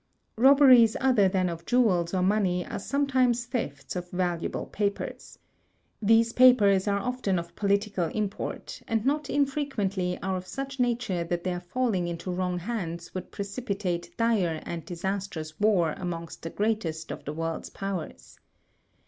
Robberies other than of jewels or money are sometimes thefts of valuable papers. These papers are often of political import, and not infrequently are of such nature that their falling into wrong hands would precipitate dire and disas trous war among the greatest of the world's powers.